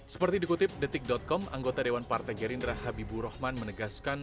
seperti dikutip detik com anggota dewan partai gerindra habibur rahman menegaskan